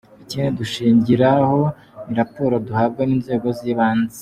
Ikindi dushingiraho ni raporo duhabwa n’inzego z’ibanze.